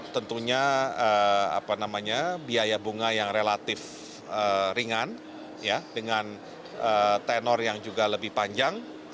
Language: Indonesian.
tentunya biaya bunga yang relatif ringan dengan tenor yang juga lebih panjang